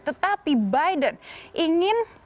tetapi biden ingin